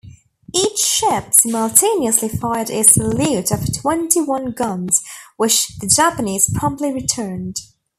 Each ship simultaneously fired a salute of twenty-one guns, which the Japanese promptly returned.